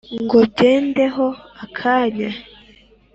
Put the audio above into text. ngo byende ho akanya